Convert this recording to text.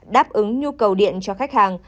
đáp ứng nhu cầu điện cho khách hàng